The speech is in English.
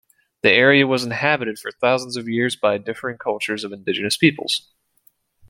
The area was inhabited for thousands of years by differing cultures of indigenous peoples.